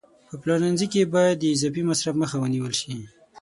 په پلورنځي کې باید د اضافي مصرف مخه ونیول شي.